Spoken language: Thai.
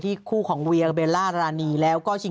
อ๋อนี่ชุดของนางเหรอ